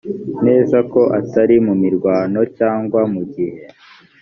neza ko atari mu mirwano cyangwa mu gihe